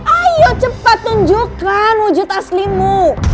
ayo cepat tunjukkan wujud aslimu